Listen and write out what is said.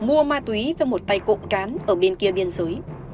lê minh long đã đặt má túy với một tay cộng cán ở bên kia biên giới